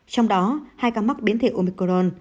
trong đó hai ca mắc biến thể omicron